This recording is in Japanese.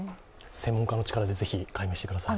専門家の力でぜひ解明してください。